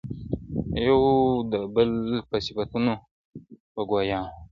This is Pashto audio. یو د بل په صفتونو به ګویان وه -